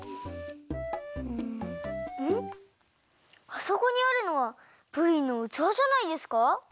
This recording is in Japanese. あそこにあるのはプリンのうつわじゃないですか？